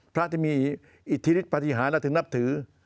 พระที่มีอิทธิฤทธปฏิหารและถึงนับถือ